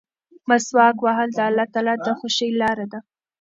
مسواک وهل د الله تعالی د خوښۍ لاره ده.